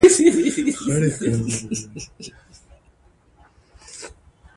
وګړي د افغانستان د زرغونتیا یوه ډېره څرګنده نښه ده.